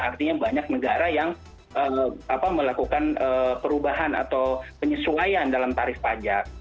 artinya banyak negara yang melakukan perubahan atau penyesuaian dalam tarif pajak